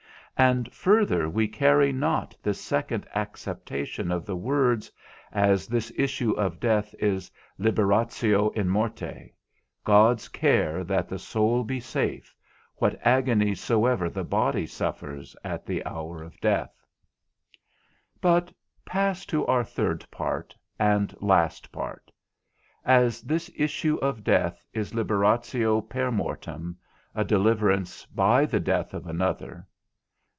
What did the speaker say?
And further we carry not this second acceptation of the words, as this issue of death is liberatio in morte, God's care that the soul be safe, what agonies soever the body suffers in the hour of death. But pass to our third part and last part: As this issue of death is liberatio per mortem, a deliverance by the death of another.